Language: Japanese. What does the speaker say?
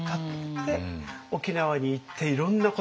で沖縄に行っていろんなことが。